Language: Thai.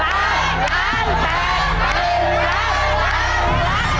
๑ล้านล้านล้าน